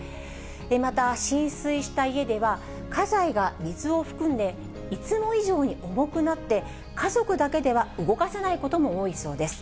また、浸水した家では、家財が水を含んで、いつも以上に重くなって、家族だけでは動かせないことも多いそうです。